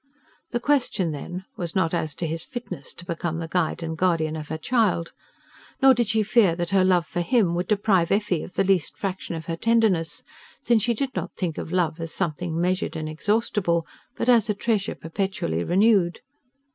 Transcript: The question, then, was not as to his fitness to become the guide and guardian of her child; nor did she fear that her love for him would deprive Effie of the least fraction of her tenderness, since she did not think of love as something measured and exhaustible but as a treasure perpetually renewed.